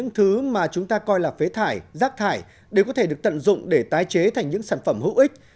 rất nhiều những thứ mà chúng ta coi là phế thải rác thải đều có thể được tận dụng để tái chế thành những sản phẩm hữu ích